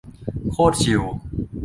โคตรชิล